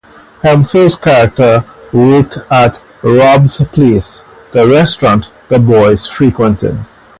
Hemphill's character worked at Rob's Place, the restaurant the boys frequented.